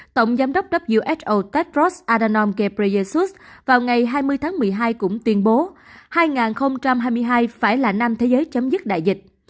tổng giám đốc who tedros adhanom ghebreyesus vào ngày hai mươi tháng một mươi hai cũng tuyên bố hai nghìn hai mươi hai phải là năm thế giới chấm dứt đại dịch